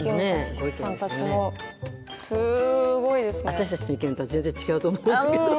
私たちの意見とは全然違うと思うんだけど。